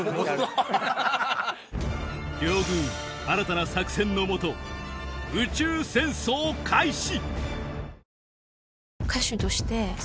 両軍新たな作戦の下宇宙戦争開始！